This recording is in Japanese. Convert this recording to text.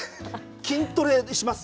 筋トレします。